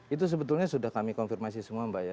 itu sebetulnya sudah kami konfirmasi semua mbak ya